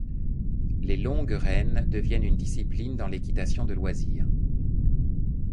Les longues rênes deviennent une discipline dans l'équitation de loisir.